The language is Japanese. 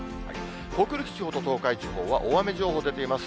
北陸地方と東海地方は大雨情報出ています。